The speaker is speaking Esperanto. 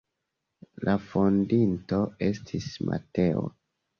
La fondinto estis Mateo.